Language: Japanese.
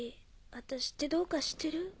私ってどうかしてる？